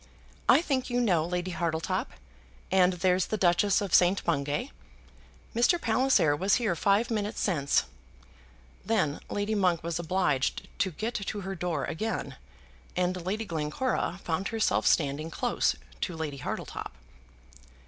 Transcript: I think you know Lady Hartletop; and there's the Duchess of St. Bungay. Mr. Palliser was here five minutes since." Then Lady Monk was obliged to get to her door again and Lady Glencora found herself standing close to Lady Hartletop.